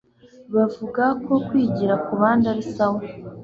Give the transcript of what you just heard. bavuga ko kwigira kubandi arisawa